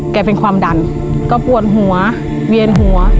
เป็นความดันก็ปวดหัวเวียนหัว